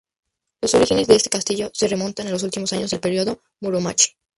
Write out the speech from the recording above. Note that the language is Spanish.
Los orígenes de este castillo se remontan a los últimos años del período Muromachi.